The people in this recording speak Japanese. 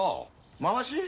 まわし？